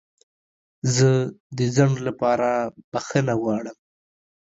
زه د ځنډ لپاره بخښنه غواړم.